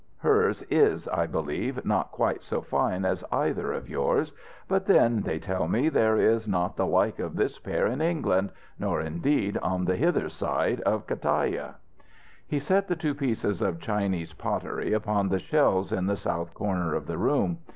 Hers is, I believe, not quite so fine as either of yours; but then, they tell me, there is not the like of this pair in England, nor indeed on the hither side of Cataia." He set the two pieces of Chinese pottery upon the shelves in the south corner of the room.